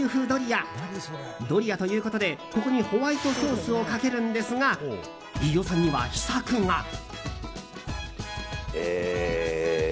ドリアということでここにホワイトソースをかけるんですが飯尾さんには、秘策が。